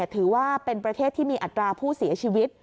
ถือว่าเป็นประเทศที่มีอัตราผู้เสียชีวิต